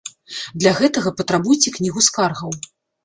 Для гэтага патрабуйце кнігу скаргаў.